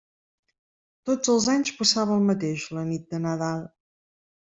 Tots els anys passava el mateix la nit de Nadal.